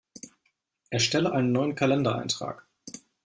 Erstelle einen neuen Kalendereintrag!